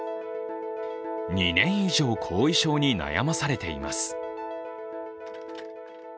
２年以上後遺症に悩まされています。